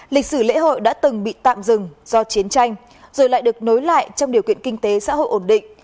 lịch sử lễ hội đã từng bị tạm dừng do chiến tranh rồi lại được nối lại trong điều kiện kinh tế xã hội ổn định